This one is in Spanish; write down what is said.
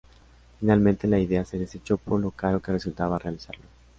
Finalmente la idea se desechó por lo caro que resultaba realizarlo.